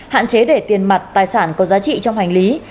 hạn chế để tiền mặt tài sản có giá trị trong hành lý